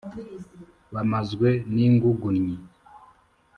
Bamazwe n'ingugunnyi,